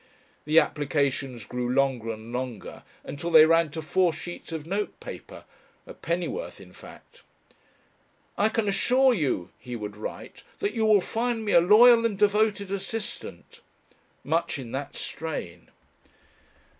The applications grew longer and longer until they ran to four sheets of note paper a pennyworth in fact. "I can assure you," he would write, "that you will find me a loyal and devoted assistant." Much in that strain.